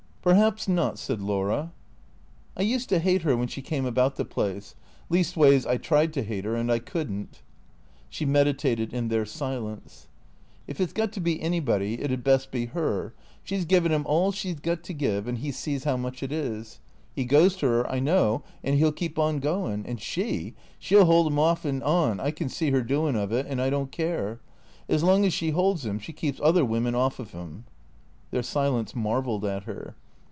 " Perhaps not," said Laura. " I used to hate her when she came about the place. Least ways I tried to hate her, and I could n't." She meditated in their silence. " If it 's got to be anybody it 'd best be 'er. She 's given 'im all she 's got to give, and he sees 'ow much it is. 'E goes to 'er, I know, and 'e '11 keep on going ; and she — she '11 'old 'im orf and on — I can see 'er doin' of it, and I don't care. As long as she 'olds' im she keeps other women orf of 'im." Their silence marvelled at her.